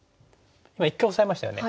一回オサえましたよね。